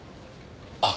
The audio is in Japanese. あ。